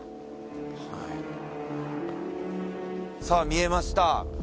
さあ見えました。